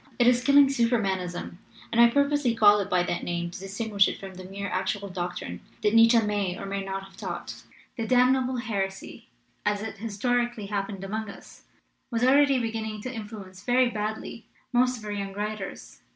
It is killing Supermanism and I purposely call it by that name to distinguish it from the mere actual doctrine that Nietzsche may or may not 292 HERESY OF SUPERMANISM have taught. The damnable heresy, as it his torically happened among us, was already begin ning to influence very badly most of our young writers.